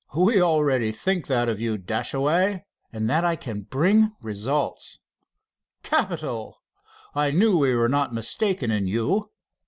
"We already think that of you, Dashaway." "And that I can bring results." "Capital! I knew we were not mistaken in you.